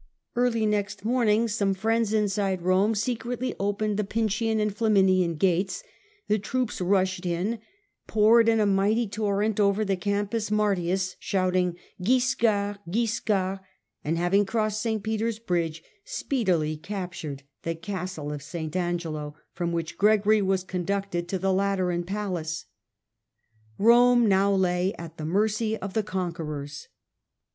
Early next morning some friends in Ro£r?^i8 ®^^® Rome secretly opened the Pincian and card's troops Flamiuian gates, the troops rushed in, poured in a mighty torrent over the Campus Martius, shouting 'Wiscard! Wiscard!' and, having crossed St. Peter's bridge, speedily captured the castle of St. Angelo, from which Gregory was conducted to the Lateran palace, Rome now lay at the mercy of the conquerors.